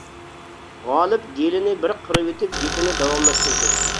غالىب گېلىنى بىر قىرىۋېتىپ گېپىنى داۋاملاشتۇردى.